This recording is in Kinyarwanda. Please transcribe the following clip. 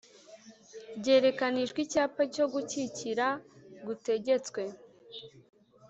byerekanishwa Icyapa cyo gukikira gutegetswe